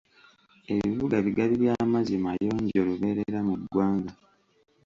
Ebibuga bigabi by'amazzi mayonjo lubeerera mu ggwanga.